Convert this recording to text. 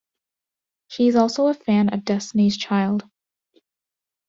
She is also a fan of Destiny's Child.